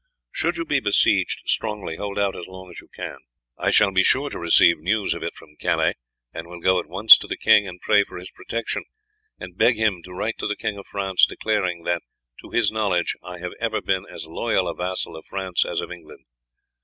Should you be besieged strongly, hold out as long as you can. I shall be sure to receive news of it from Calais, and will go at once to the king and pray for his protection, and beg him to write to the King of France declaring that, to his knowledge, I have ever been as loyal a vassal of France as of England.